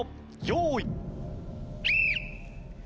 用意。